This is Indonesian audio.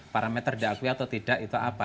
parameter diakui atau tidak itu apa